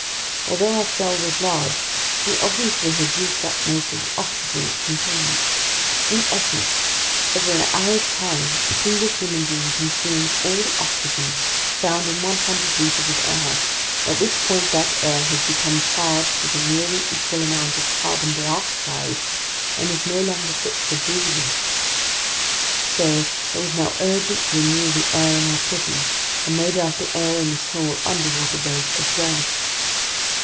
Although our cell was large, we obviously had used up most of the oxygen it contained. In essence, over an hour's time a single human being consumes all the oxygen found in 100 liters of air, at which point that air has become charged with a nearly equal amount of carbon dioxide and is no longer fit for breathing. So it was now urgent to renew the air in our prison, and no doubt the air in this whole underwater boat as well.